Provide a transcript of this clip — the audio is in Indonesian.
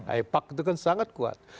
ipark itu kan sangat kuat